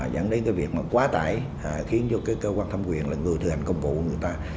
dẫn đến cái việc mà quá tải khiến cho cơ quan thâm quyền là người thực hành công vụ người ta